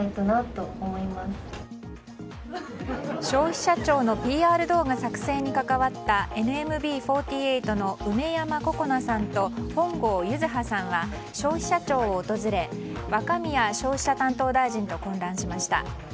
消費者庁のＰＲ動画作成に関わったＮＭＢ４８の梅山恋和さんと本郷柚巴さんは消費者庁を訪れ若宮消費者担当大臣と懇談しました。